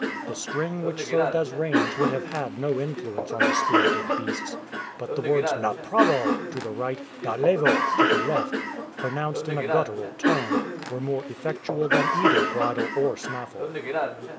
The string which served as reins would have had no influence on the spirited beasts, but the words "na pravo," to the right, "na levo," to the left, pronounced in a guttural tone, were more effectual than either bridle or snaffle.